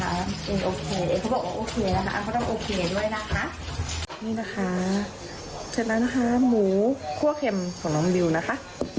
นะคะจัดแล้วนะคะหมูครัวเค็มของน้องบิวนะคะ